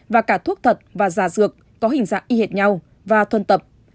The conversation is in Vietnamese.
và cả thuốc thật và giả dược có hình dạng y hệt nhau và thân tập